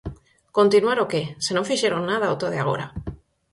¿Continuar o que, se non fixeron nada ata o de agora?